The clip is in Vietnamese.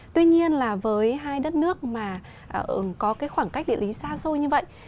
tuy nhiên là với hai đất nước mà có cái khoảng cách địa lý xa xôi như vậy